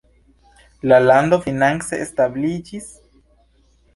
La lando finance stabiliĝis.